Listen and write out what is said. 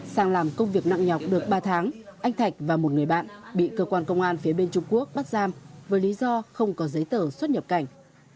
sang làm công việc nặng nhọc được ba tháng anh thạch và một người bạn bị cơ quan công an phía bên trung quốc bắt giam với lý do không có giấy tờ xuất nhập cảnh